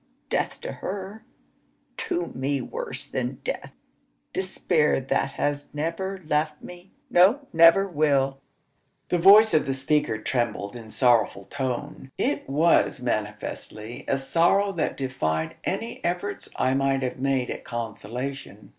Death to her to me worse than death; despair that has never left me no never will." The voice of the speaker trembled in sorrowful tone. It was manifestly a sorrow that defied any efforts I might have made at consolation.